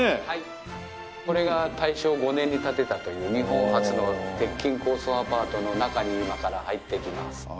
はいこれが大正５年に建てたという日本初の鉄筋高層アパートの中に今から入っていきます。